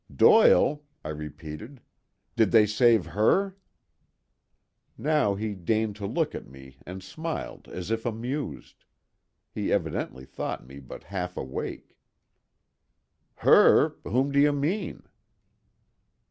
"Doyle," I repeated, "did they save her?" He now deigned to look at me and smiled as if amused. He evidently thought me but half awake. "Her? Whom do you mean?"